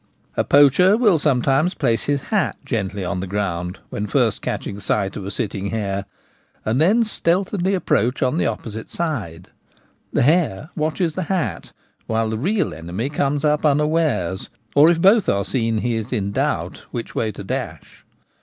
A poacher will sometimes place his hat gently on Poaching on Wheels. 157 the ground, when first catching sight of a sitting hare, and then stealthily approach on the opposite side. The hare watches the hat, while the real enemy comes up unawares, or, if both are seen, he is in doubt which way to dash.